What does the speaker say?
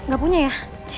gak punya ya